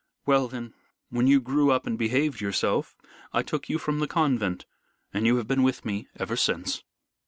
Well then, when you grew up and behaved yourself, I took you from the convent, and you have been with me ever since."